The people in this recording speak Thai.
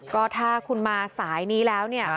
ก็ถ้าคุณมาสายนี้แล้วเนี่ย